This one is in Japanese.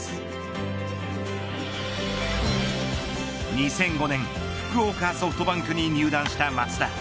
２００５年福岡ソフトバンクに入団した松田。